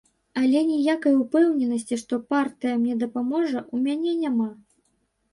Але ніякай упэўненасці, што партыя мне дапаможа, у мяне няма.